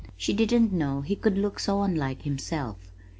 She didn't know he could look so unlike himself.